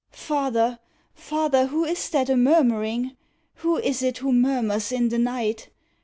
Father, father, who is that a murmuring? Who is it who murmurs in the night?